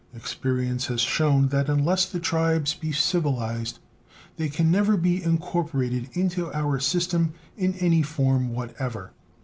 Experience has shown that unless the tribes be civilized they can never be incorporated into our system in any form whatever.